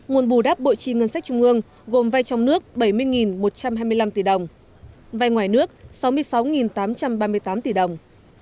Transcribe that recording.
nguồn bù đáp bộ chi ngân sách trung ương gồm vay trong nước bảy mươi một trăm hai mươi năm tỷ đồng vay ngoài nước sáu mươi sáu tám trăm ba mươi tám tỷ đồng